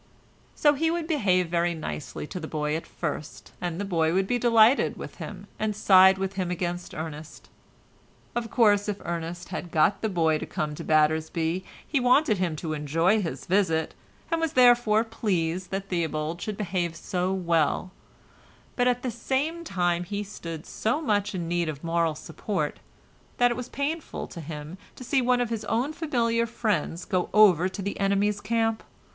So he would behave very nicely to the boy at first, and the boy would be delighted with him, and side with him against Ernest. Of course if Ernest had got the boy to come to Battersby he wanted him to enjoy his visit, and was therefore pleased that Theobald should behave so well, but at the same time he stood so much in need of moral support that it was painful to him to see one of his own familiar friends go over to the enemy's camp.